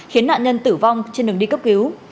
khiến nạn nhân tử vong trên đường đi cấp cứu